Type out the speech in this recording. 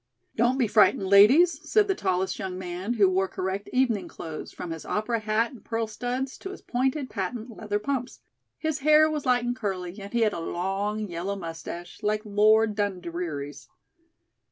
"Don't be frightened, ladies," said the tallest young man, who wore correct evening clothes, from his opera hat and pearl studs to his pointed patent leather pumps. His hair was light and curly, and he had a long yellow mustache, like Lord Dundreary's.